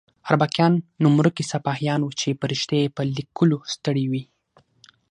اربکیان نوم ورکي سپاهیان وو چې فرښتې یې په لیکلو ستړې وي.